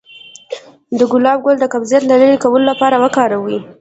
د ګلاب ګل د قبضیت د لرې کولو لپاره وکاروئ